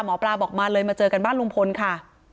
หมอปลาบอกมาเลยมาเจอกันบ้านลุงพลค่ะ